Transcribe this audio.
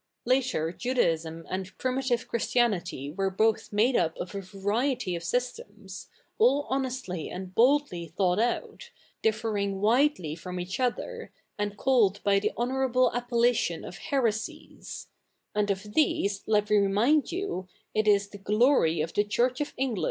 Later Judaisin and primitive Christianity were both made up of a variety of systems^ all honestly and boldly thought out^ differing widely from each other, and called by the hofwurable appellation of heresies : and of these, let me remind you, it is the glory of the Church of Engla?